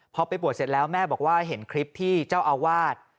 พอไปบวชเสร็จแล้วแม่บอกว่าเห็นคลิปที่เจ้าอาวาส